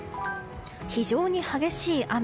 非常に激しい雨。